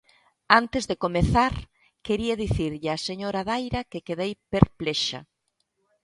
Antes de comezar, quería dicirlle á señora Daira que quedei perplexa.